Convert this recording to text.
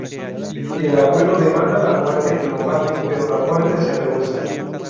El abuelo demanda a la Muerte que lo mate, pero la Muerte se rehúsa.